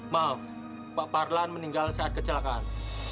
maaf pak parlan meninggal saat kecelakaan